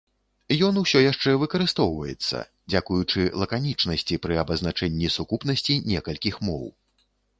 Ён усё яшчэ выкарыстоўваецца, дзякуючы лаканічнасці пры абазначэнні сукупнасці некалькі моў.